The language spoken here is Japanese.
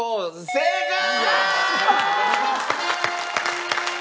正解！